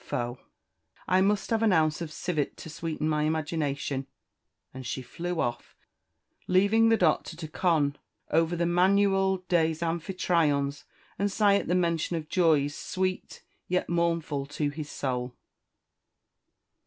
Faugh! I must have an ounce of civet to sweeten my imagination." And she flew of, leaving the Doctor to con over the "Manuel des Amphitryons," and sigh at the mention of joys, sweet, yet mournful, to his soul.